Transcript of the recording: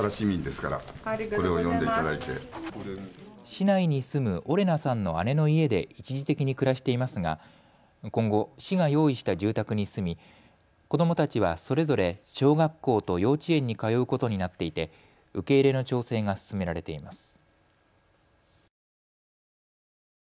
市内に住むオレナさんの姉の家で一時的に暮らしていますが今後、市が用意した住宅に住み子どもたちはそれぞれ小学校と幼稚園に通うことになっていて受け入れの調整が進められています。